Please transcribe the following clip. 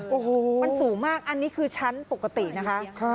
โอ้โหมันสูงมากอันนี้คือชั้นปกตินะคะ